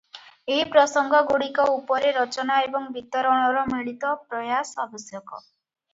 ଏହି ପ୍ରସଙ୍ଗଗୁଡ଼ିକ ଉପରେ ରଚନା ଏବଂ ବିତରଣର ମିଳିତ ପ୍ରୟାସ ଆବଶ୍ୟକ ।